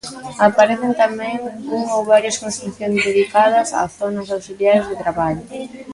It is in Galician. Aparecen tamén unha ou varias construcións dedicadas a zonas auxiliares de traballo.